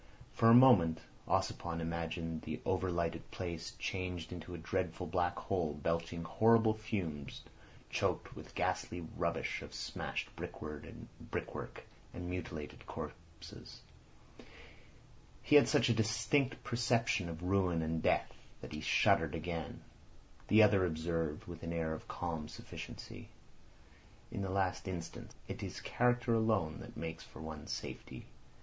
For a moment Ossipon imagined the overlighted place changed into a dreadful black hole belching horrible fumes choked with ghastly rubbish of smashed brickwork and mutilated corpses. He had such a distinct perception of ruin and death that he shuddered again. The other observed, with an air of calm sufficiency: "In the last instance it is character alone that makes for one's safety.